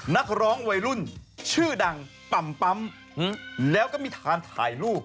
นักร้องวัยรุ่นชื่อดังป่ำปั๊มแล้วก็มีทานถ่ายรูป